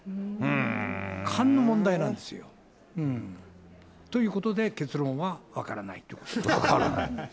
勘の問題なんですよ。ということで、結論は分からない分からない。